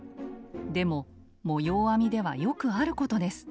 でも模様編みではよくあることです。